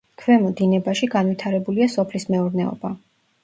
ქვემო დინებაში განვითარებულია სოფლის მეურნეობა.